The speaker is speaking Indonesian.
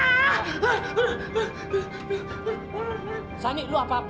dia tau ridwan pokoknya sani cuma ngeliat bayangan tuh